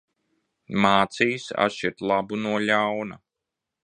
Mācījis atšķirt labu no ļauna.